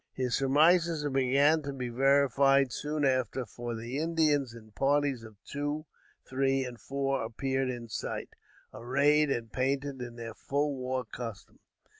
His surmises began to be verified soon after, for the Indians, in parties of two, three, and four, appeared in sight, arrayed and painted in their full war costume.